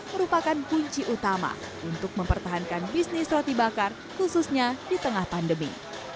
merupakan kunci utama untuk mempertahankan bisnis roti bakar khususnya di tengah pandemi